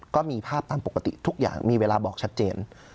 ก็มีภาพตามปกติทุกอย่างมีเวลาบอกชัดเจน